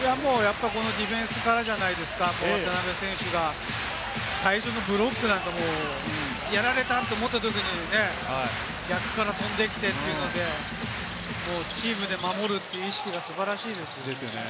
ディフェンスからじゃないですか、渡邊選手から最初のブロックなんか、やられたと思ったときに逆から飛んできてというので、チームで守るという意識が素晴らしいです。